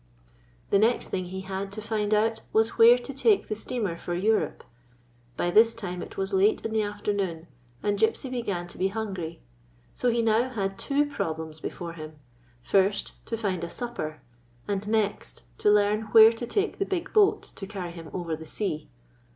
The next thing he had to find out was where to take the steamer for Europe. By this time it was late in the afternoon, and Gypsy began to be hungry. So he now had two problems be fore him: first to find a supper, and next to learn where to take the big boat to carry him over the sea.